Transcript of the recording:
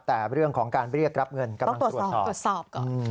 แต่เรื่องของการไปเรียกรับเงินกำลังตรวจถอด